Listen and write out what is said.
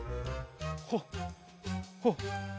ほっほっ！